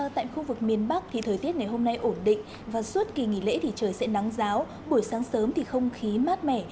tại khu vực miền bắc thì thời tiết ngày hôm nay ổn định và suốt kỳ nghỉ lễ thì trời sẽ nắng giáo buổi sáng sớm thì không khí mát mẻ